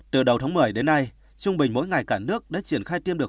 từ đầu tháng một mươi đến nay trung bình mỗi ngày cả nước đã triển khai tiêm được